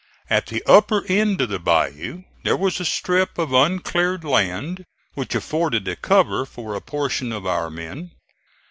At the upper end of the bayou there was a strip of uncleared land which afforded a cover for a portion of our men.